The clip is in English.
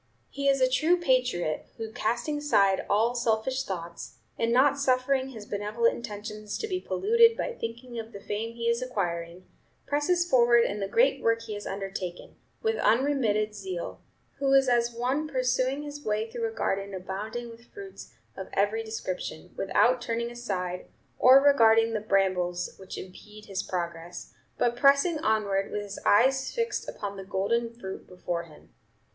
He is a true patriot, who, casting aside all selfish thoughts, and not suffering his benevolent intentions to be polluted by thinking of the fame he is acquiring, presses forward in the great work he has undertaken, with unremitted zeal; who is as one pursuing his way through a garden abounding with fruits of every description, without turning aside, or regarding the brambles which impede his progress, but pressing onward with his eyes fixed upon the golden fruit before him.